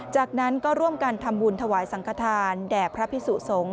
จากนั้นก็ร่วมกันทำบุญถวายสังขทานแด่พระพิสุสงฆ์